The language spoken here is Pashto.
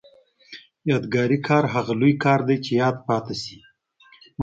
یادګاري کار هغه لوی کار دی چې یاد پاتې شي.